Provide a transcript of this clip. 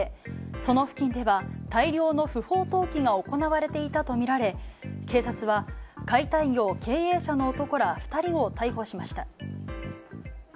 その付近では、大量の不法投棄が行われていたと見られ、警察は解体業経営者の男ら２人を逮捕しました。